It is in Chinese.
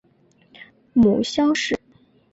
母萧氏。